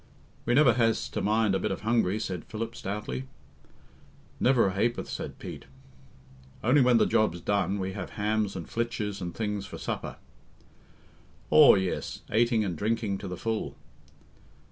"We never has to mind a bit of hungry," said Philip stoutly. "Never a ha'p'orth," said Pete. "Only when the job's done we have hams and flitches and things for supper." "Aw, yes, ateing and drinking to the full."